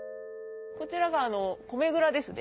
こちらが米蔵ですね。